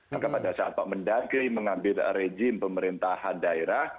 maka pada saat pak mendagri mengambil rejim pemerintahan daerah